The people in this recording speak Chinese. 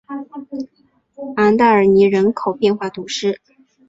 昂代尔尼人口变化图示